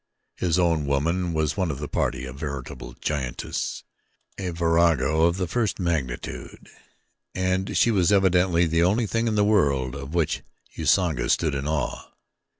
His own woman was of the party a veritable giantess, a virago of the first magnitude and she was evidently the only thing in the world of which Usanga stood in awe.